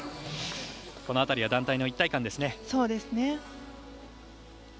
この辺りは団体の一体感ですね。